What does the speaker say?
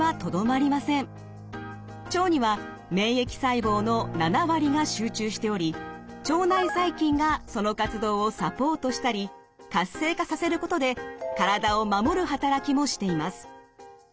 腸には免疫細胞の７割が集中しており腸内細菌がその活動をサポートしたり活性化させることで体を守る働きもしています。